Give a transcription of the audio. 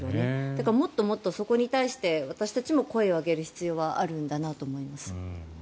だからもっともっとそこに対して私たちも声を上げる必要はあるんだなと思います。